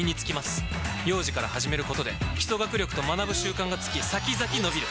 幼児から始めることで基礎学力と学ぶ習慣がつき先々のびる！